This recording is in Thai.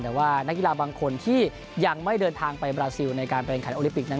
แต่ว่านักกีฬาบางคนที่ยังไม่เดินทางไปบราซิลในการบริหารโอลิปิกนั้น